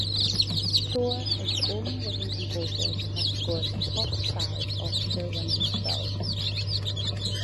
Shore is the only living composer to have scored a "Top Five" Oscar-winning film.